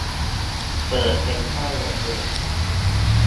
เปิดเป็นข้อยกเว้น